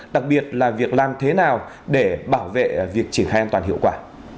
đặc biệt là việc làm thế nào để bảo vệ việc triển khai an toàn hiệu quả